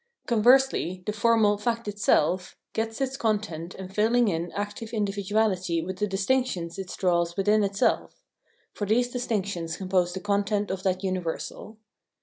Conversely, the formal "fact itself" gets its content and filling in active individuality with the distinctions it draws within it self ; for these distinctions compose the content of that universal.